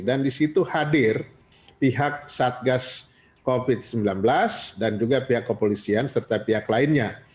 dan di situ hadir pihak satgas covid sembilan belas dan juga pihak kepolisian serta pihak lainnya